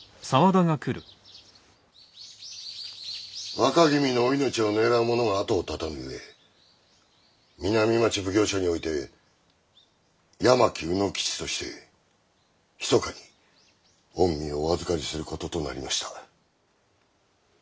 若君のお命を狙う者が後を絶たぬゆえ南町奉行所において八巻卯之吉としてひそかに御身をお預かりすることとなりました。